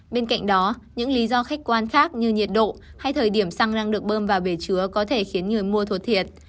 bên cạnh đó những lý do khách quan khác như nhiệt độ hay thời điểm xăng đang được bơm vào bể chứa có thể khiến người mua thua thiệt